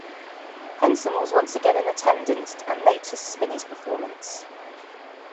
Henson was once again in attendance and noticed Spinney's performance.